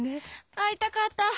会いたかった！